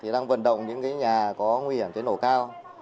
đang vận động những nhà có nguy hiểm cháy nổ cao